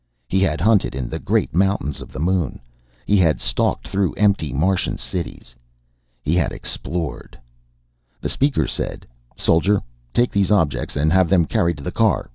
He had hunted in the great mountains of the moon. He had stalked through empty Martian cities. He had explored The Speaker said, "Soldier, take these objects and have them carried to the car.